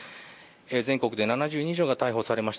全国で７０人以上が逮捕されました